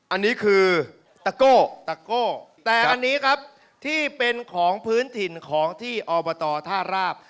อันนี้คือตะโก้ตะโก้แต่อันนี้ครับที่เป็นของพื้นถิ่นของที่อบตท่าราบ